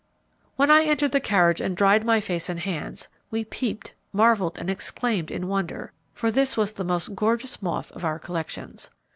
When I entered the carriage and dried my face and hands, we peeped, marvelled, and exclaimed in wonder, for this was the most gorgeous moth of our collections.